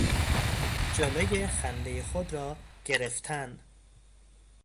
جلوی خندهی خود را گرفتن